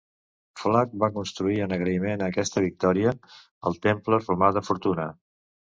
Flac va construir en agraïment a aquesta victòria el temple romà de Fortuna.